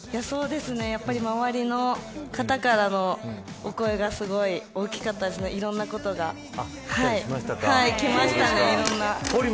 周りの方からのお声がすごく大きかったのでいろんなことがきました。